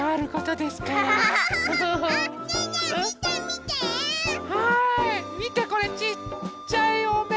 みてこれちっちゃいおめめ。